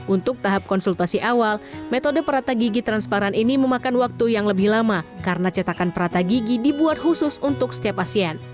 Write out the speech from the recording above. untuk tahap konsultasi awal metode perata gigi transparan ini memakan waktu yang lebih lama karena cetakan perata gigi dibuat khusus untuk setiap pasien